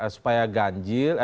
supaya tidak ganjil